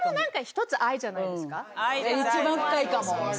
一番深いかも。